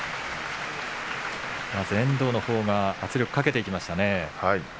遠藤のほうがまず圧力をかけていきましたね。